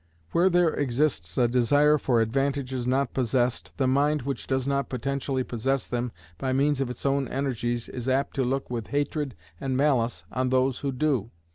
Where there exists a desire for advantages not possessed, the mind which does not potentially possess them by means of its own energies is apt to look with hatred and malice on those who do.